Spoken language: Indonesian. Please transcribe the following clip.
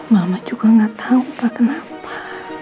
mama juga gak tahu pak kenapa